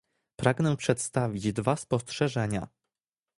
Pragnę przedstawić dwa spostrzeżenia